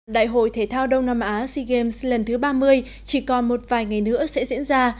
đại hội thể thao đông nam á sea games lần thứ ba mươi chỉ còn một vài ngày nữa sẽ diễn ra